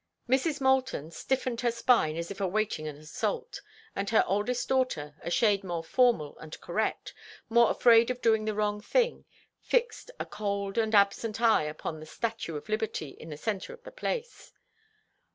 Mrs. Moulton stiffened her spine as if awaiting an assault, and her oldest daughter, a shade more formal and correct, more afraid of doing the wrong thing, fixed a cold and absent eye upon the statue to liberty in the centre of the Place.